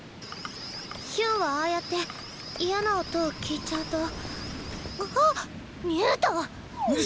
ヒュンはああやって嫌な音を聴いちゃうとあっ！